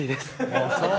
ああそう。